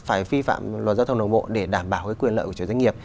phải vi phạm luật giao thông đồng bộ để đảm bảo quyền lợi của chủ doanh nghiệp